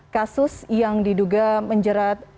kasus yang diduga menjerat